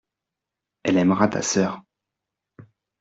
Elle aimera ta sœur.